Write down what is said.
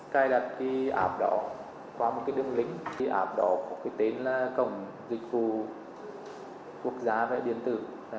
cài đặt ảp đỏ qua đường link ảp đỏ có tên là cổng dịch vụ quốc gia về điện tử